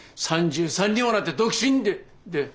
３３にもなって独身でで。